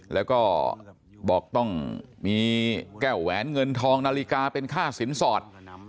แล้วก็บอกต้องมีแก้วแหวนเงินทองนาฬิกาเป็นค่าสินสอด